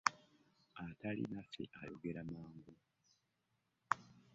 Atali naffe ayogere mangu.